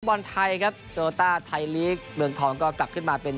บอลไทยครับโรต้าไทยลีกเมืองทองก็กลับขึ้นมาเป็น